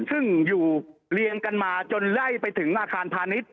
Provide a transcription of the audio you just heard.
ซึ่งอยู่เรียงกันมาจนไล่ไปถึงอาคารพาณิชย